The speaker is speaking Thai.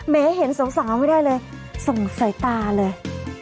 เห็นสาวไม่ได้เลยส่งสายตาเลย